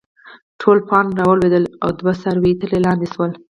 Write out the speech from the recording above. ټول پاڼ راولويد او دوه څاروي ترې لانې شول